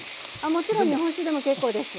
もちろん日本酒でも結構です。